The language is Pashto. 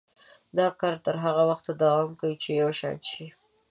دا کار تر هغه وخته دوام کوي چې یو شان شي.